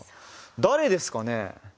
誰ですかね。